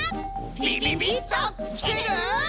びびびっときてる？